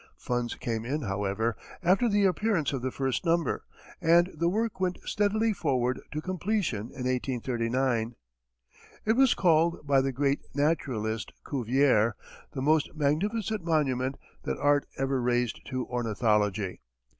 Funds came in, however, after the appearance of the first number, and the work went steadily forward to completion in 1839. It was called by the great naturalist, Cuvier, "the most magnificent monument that art ever raised to ornithology."